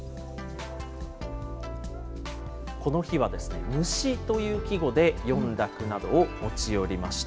この日は、虫という季語で詠んだ句などを持ち寄りました。